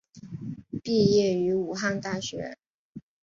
毕业于武汉大学。